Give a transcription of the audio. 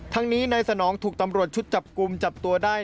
ทั้งนี้นายสนองถูกตำรวจชุดจับกลุ่มจับตัวได้